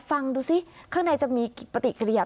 ฟังดูซิข้างในจะมีปฏิกิริยา